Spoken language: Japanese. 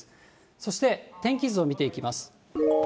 そして天気図を見ていきます。